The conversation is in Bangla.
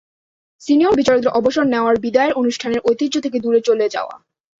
সিনিয়র বিচারকদের অবসর নেওয়ার বিদায়ের অনুষ্ঠানের ঐতিহ্য থেকে দূরে চলে যাওয়া।